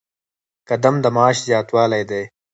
قدم د معاش زیاتوالی دی